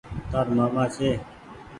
تآر مآمآ ڇي۔